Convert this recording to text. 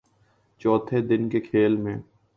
چوتھے دن کے کھیل میں